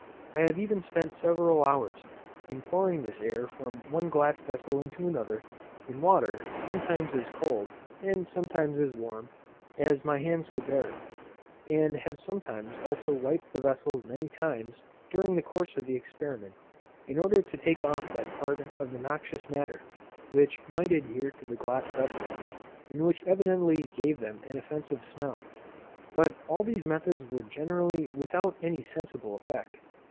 I have even spent several hours in pouring this air from one glass vessel into another, in water, sometimes as cold, and sometimes as warm, as my hands could bear it, and have sometimes also wiped the vessels many times, during the course of the experiment, in order to take off that part of the noxious matter, which might adhere to the glass vessels, and which evidently gave them an offensive smell; but all these methods were generally without any sensible effect.